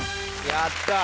やった！